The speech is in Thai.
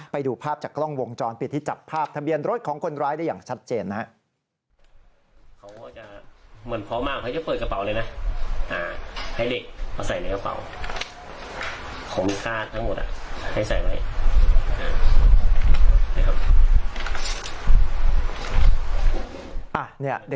ไปดูภาพจากกล้องวงจรปิดที่จับภาพทะเบียนรถของคนร้ายได้อย่างชัดเจนนะครับ